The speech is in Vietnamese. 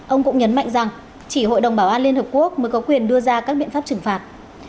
ông cũng nhấn mạnh rằng chỉ hội đồng bảo an liên hợp quốc mới có quyền đưa ra các biện pháp trừng phạt